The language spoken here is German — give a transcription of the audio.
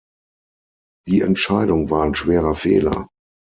Die Entscheidung war ein schwerer Fehler.